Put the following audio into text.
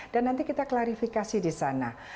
dan nanti kita klarifikasi di sana